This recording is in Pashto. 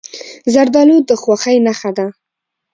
زردالو د خوښۍ نښه ده.